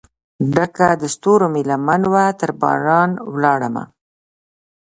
ډکه دستورومې لمن وه ترباران ولاړ مه